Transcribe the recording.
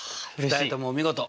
２人ともお見事！